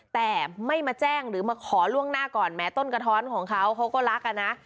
แต่ไม่มาแจ้งหรือมาขอล่วงหน้าก่อนแม้ต้นกระท้อนของเขาเขาก็รักอ่ะนะ